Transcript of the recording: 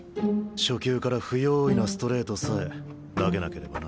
初球から不用意なストレートさえ投げなければな。